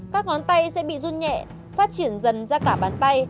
các ngón tay sẽ bị run nhẹ phát triển dần ra cả bàn tay